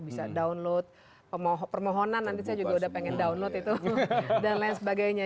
bisa download permohonan nanti saya juga udah pengen download itu dan lain sebagainya